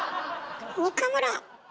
岡村！